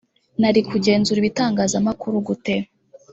nari kugenzura ibitangazamakuru gute